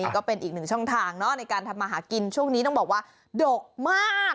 ก็เป็นอีกหนึ่งช่องทางในการทำมาหากินช่วงนี้ต้องบอกว่าดกมาก